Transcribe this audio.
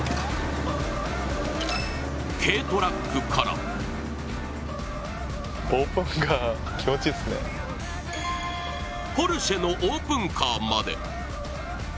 軽トラックからポルシェのオープンカーまで。